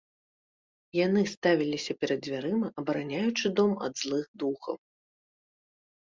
Яны ставіліся перад дзвярыма, абараняючы дом ад злых духаў.